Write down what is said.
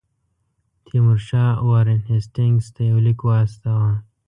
تیمورشاه وارن هیسټینګز ته یو لیک واستاوه.